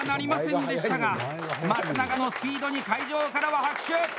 惜しくも記録更新とはなりませんでしたが松永のスピードに会場からは拍手！